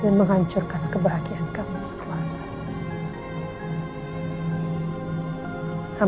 dan menghancurkan kebahagiaan kami selalu